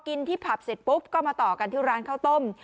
กินที่ผับเสร็จปุ๊บก็มาต่อกันที่ร้านข้าวต้ม